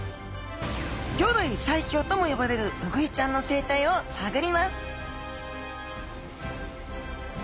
魚類最強とも呼ばれるウグイちゃんの生態を探ります